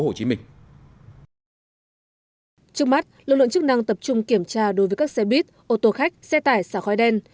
trước mắt lực lượng chức năng tập trung kiểm tra đối với các xe buýt ô tô khách xe tải xả khói đen